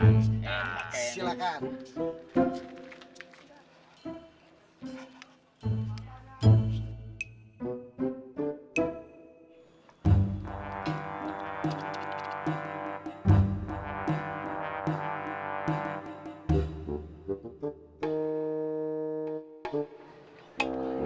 tidak tidak tidak